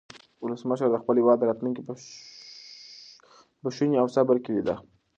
ولسمشر د خپل هېواد راتلونکی په بښنې او صبر کې لیده.